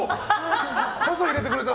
傘入れてくれた！